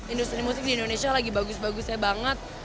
industri musik di indonesia lagi bagus bagusnya banget